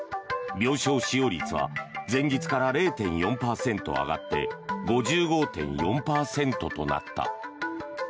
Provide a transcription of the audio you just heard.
病床使用率は前日から０．４％上がって５５．４％となった。